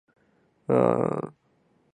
首府阿里卡。